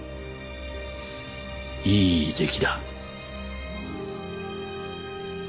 いい出来だ。